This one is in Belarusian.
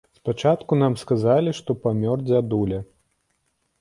Спачатку нам сказалі, што памёр дзядуля.